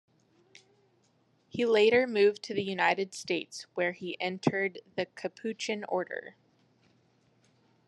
He later moved to the United States where he entered the Capuchin Order.